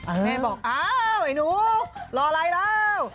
แม่บอกอ้าวไอ้หนูรออะไรแล้ว